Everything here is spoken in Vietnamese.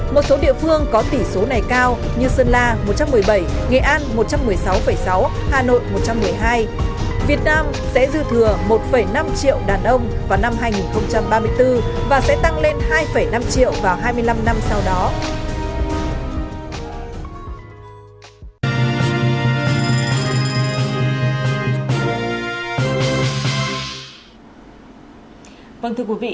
một số địa phương có tỷ số này cao như sơn la một trăm một mươi bảy nghệ an một trăm một mươi sáu sáu hà nội một trăm một mươi hai